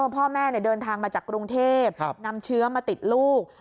พ่อแม่เดินทางมาจากกรุงเทพนำเชื้อมาติดลูก